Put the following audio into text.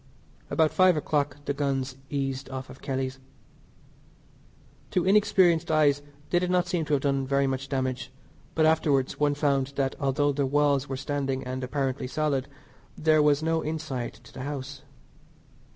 About five o'clock the guns eased off of Kelly's. To inexperienced eyes they did not seem to have done very much damage, but afterwards one found that although the walls were standing and apparently solid there was no inside to the house.